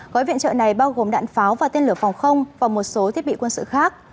gói viện trợ này bao gồm đạn pháo và tên lửa phòng không và một số thiết bị quân sự khác